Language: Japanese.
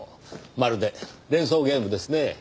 まるで連想ゲームですねぇ。